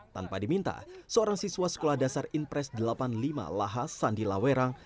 tanpa diminta seorang siswa sekolah dasar inpres delapan puluh lima laha sandi lawerang